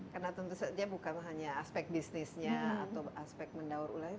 karena tentu saja bukan hanya aspek bisnisnya atau aspek mendaur ulangnya